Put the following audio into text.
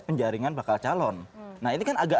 penjaringan bakal calon nah ini kan agak